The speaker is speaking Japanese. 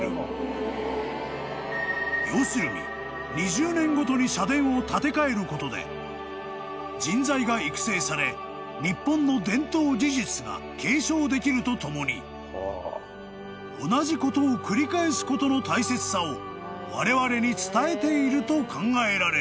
［要するに２０年ごとに社殿を建て替えることで人材が育成され日本の伝統技術が継承できるとともに同じことを繰り返すことの大切さをわれわれに伝えていると考えられる］